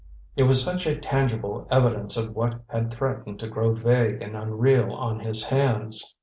It was such a tangible evidence of what had threatened to grow vague and unreal on his hands.